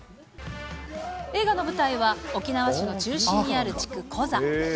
映画の舞台は、沖縄市の中心にある地区、コザ。